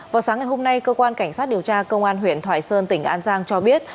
vào sáng ngày hôm nay cơ quan cảnh sát điều tra công an huyện thoại sơn tỉnh an giang cho biết